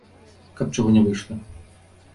Каб чаго не выйшла.